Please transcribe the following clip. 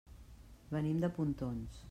Venim de Pontons.